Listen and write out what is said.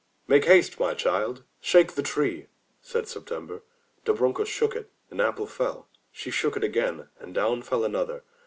"Make haste, my child, shake the tree," said September. Dobrunka shook it; an apple fell; she shook it again, and down fell another.